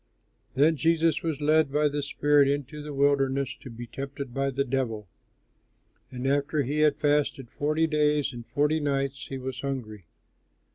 Taylor] Then Jesus was led by the Spirit into the wilderness to be tempted by the devil. And after he had fasted forty days and forty nights he was hungry.